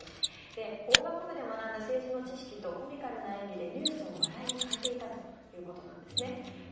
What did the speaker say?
法学部で学んだ政治の知識とコミカルな演技でニュースを笑いに変えていたということです。